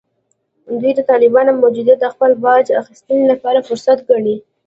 دوی د طالبانو موجودیت د خپل باج اخیستنې لپاره فرصت ګڼي